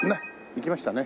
行きましたね。